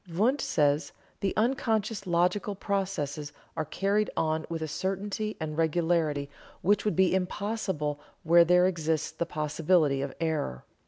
Wundt says: "The unconscious logical processes are carried on with a certainty and regularity which would be impossible where there exists the possibility of error.